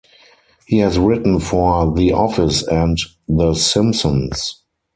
He has written for "The Office" and "The Simpsons".